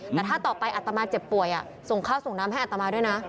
แต่ถ้าต่อไปอัตมาเจ็บป่วยส่งข้าวส่งน้ำให้อัตมาด้วยนะ